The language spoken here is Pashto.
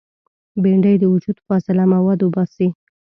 بېنډۍ د وجود فاضله مواد وباسي